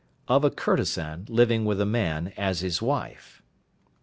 II. Of a Courtesan living with a Man as his Wife.